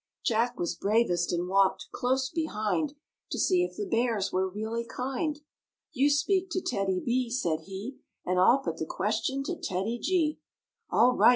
Jack was bravest and walked close behind To see if the Bears were really kind. "You speak to TEDDY B," said he, "And I'll put the question to TEDDY G." "All right!"